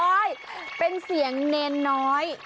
โอ๊ยเป็นเสียงเณรน้อย